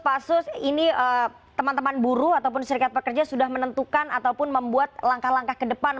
pak sus ini teman teman buruh ataupun serikat pekerja sudah menentukan ataupun membuat langkah langkah ke depan